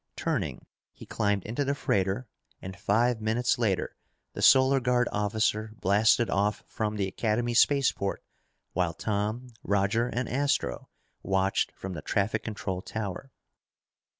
Turning, he climbed into the freighter and five minutes later the Solar Guard officer blasted off from the Academy spaceport while Tom, Roger, and Astro watched from the traffic control tower.